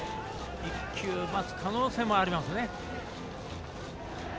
１球待つ可能性もあります。